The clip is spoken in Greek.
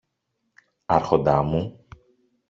Άρχοντα μου;